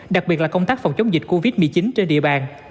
đặc biệt là công tác phòng chống dịch covid một mươi chín trên địa bàn